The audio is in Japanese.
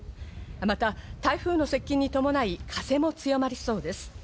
また台風の接近に伴い、風も強まりそうです。